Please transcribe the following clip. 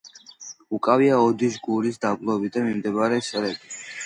უკავია ოდიშ-გურიის დაბლობი და მიმდებარე სერები.